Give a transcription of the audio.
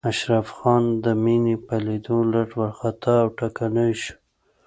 اشرف خان د مينې په ليدو لږ وارخطا او ټکنی شو.